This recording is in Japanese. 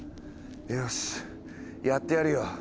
よしやってやるよ。